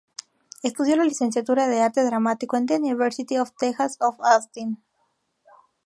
Estudio la licenciatura de arte dramático en "The University of Texas at Austin".